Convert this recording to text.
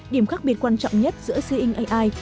điểm khác biệt quan trọng nhất giữa seeing ai